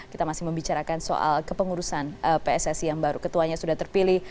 kita masih membicarakan soal kepengurusan pssi yang baru ketuanya sudah terpilih